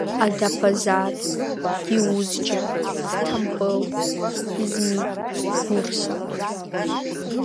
Адаԥазар, Диузџьа, Сҭампыл, Измит, Бурса…